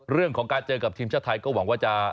เรื่องของการเจอกับทีมชาติไทยก็หวังว่าจะ